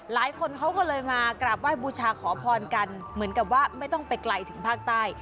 หลายคนเขาก็เลยมากราบไหว้บูชาขอพรกันเหมือนกับว่าไม่ต้องไปไกลถึงภาคใต้